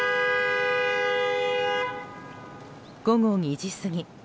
午後２時過ぎ。